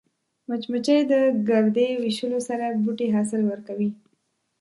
مچمچۍ د ګردې ویشلو سره بوټي حاصل ورکوي